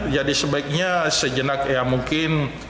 jadi sebaiknya sejenak ya mungkin